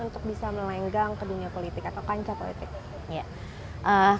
untuk bisa melenggang ke dunia politik atau kancah politik